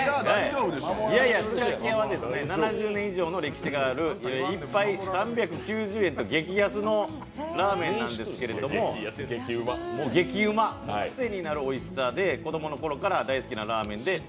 スガキヤは７０年以上の歴史がある１杯３９０円と激安のラーメンなんですけど激うま、癖になるおいしさで、子供のころから大好きなラーメンで。